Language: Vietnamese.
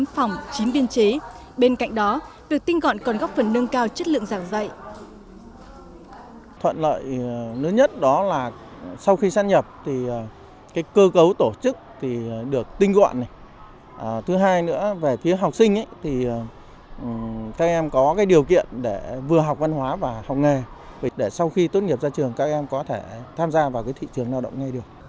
bốn phòng chín biên chế bên cạnh đó việc tinh gọn còn góp phần nâng cao chất lượng giảng dạy